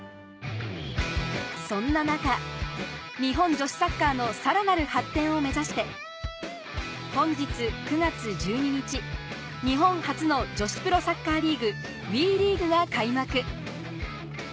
そんな中日本女子サッカーのさらなる発展を目指して本日９月１２日日本初の女子プロサッカーリーグＷＥリーグが開幕